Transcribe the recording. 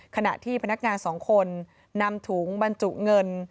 ขณะที่พนักงานสองคนนำถุงบรรจุเงิน